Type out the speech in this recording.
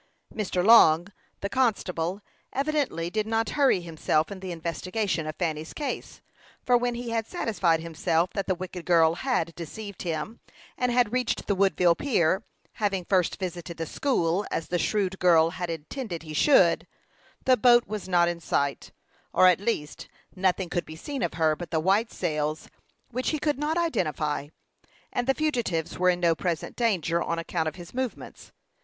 Mr. Long, the constable, evidently did not hurry himself in the investigation of Fanny's case; for when he had satisfied himself that the wicked girl had deceived him, and had reached the Woodville pier, having first visited the school, as the shrewd girl had intended he should, the boat was not in sight; or, at least, nothing could be seen of her but the white sails, which he could not identify, and the fugitives were in no present danger on account of his movements.